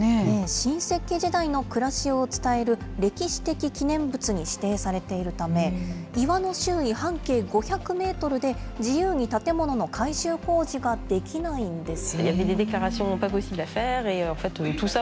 新石器時代の暮らしを伝える歴史的記念物に指定されているため、岩の周囲半径５００メートルで、自由に建物の改修工事ができないんです。